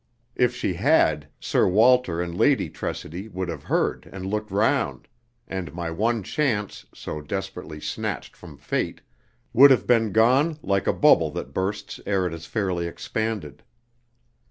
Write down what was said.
If she had, Sir Walter and Lady Tressidy would have heard and looked round, and my one chance, so desperately snatched from Fate, would have been gone like a bubble that bursts ere it has fairly expanded.